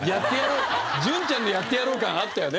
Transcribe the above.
潤ちゃんのやってやろう感あったよね。